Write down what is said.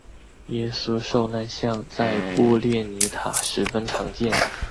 耶稣受难像在布列尼塔十分常见。